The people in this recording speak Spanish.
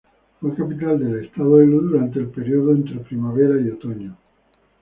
Fue capital del Estado de Lu durante el período de Primaveras y Otoños.